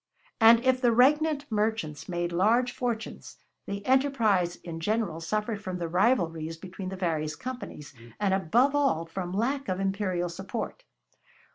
And if the regnant merchants made large fortunes, the enterprise in general suffered from the rivalries between the various companies, and above all from lack of imperial support.